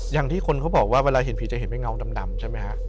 อย่างที่คนเขาบอกว่าเวลาเห็นผีจะเห็นเป็นเงาดำใช่ไหมฮะ